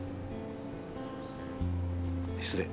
失礼。